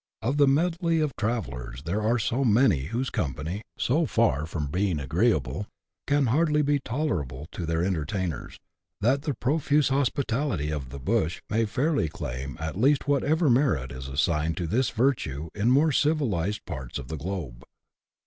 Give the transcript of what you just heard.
Of the medley of travellers there are so many whose company, so far from being agreeable, can hardly be tolerable to tiieir entertainers, that the profuse hospitality of " the Bush " may fairly claim at least whatever merit is assigned to this virtue in more civilized parts of the globe.